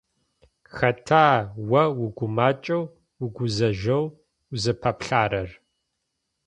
Хэта о угумэкӀэу угузажъоу узыпаплъэрэр?